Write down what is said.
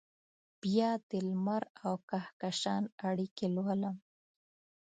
بیا دلمر اوکهکشان اړیکې لولم